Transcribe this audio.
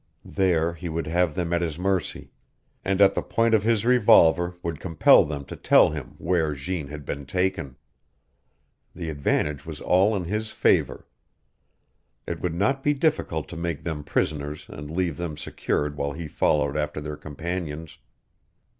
There he would have them at his mercy, and at the point of his revolver would compel them to tell him where Jeanne had been taken. The advantage was all in his favor. It would not be difficult to make them prisoners and leave them secured while he followed after their companions.